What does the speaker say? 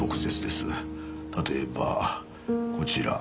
例えばこちら。